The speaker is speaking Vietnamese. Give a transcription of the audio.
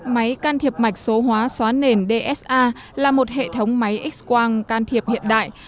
máy can thiệp mạch số hóa xóa nền dsa là một hệ thống máy x quang can thiệp hiện đại